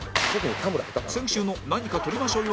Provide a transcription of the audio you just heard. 先週の何か撮りましょうよ